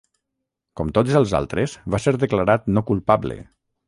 Com tots els altres, va ser declarat no culpable.